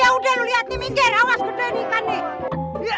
yaudah lu liat nih minggen awas gede ini ikannya